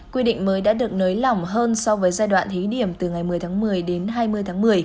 quy định mới đã được nới lỏng hơn so với giai đoạn thí điểm từ ngày một mươi tháng một mươi đến hai mươi tháng một mươi